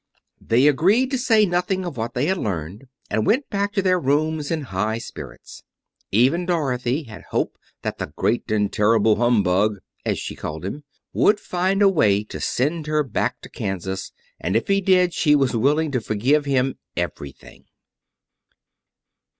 They agreed to say nothing of what they had learned, and went back to their rooms in high spirits. Even Dorothy had hope that "The Great and Terrible Humbug," as she called him, would find a way to send her back to Kansas, and if he did she was willing to forgive him everything.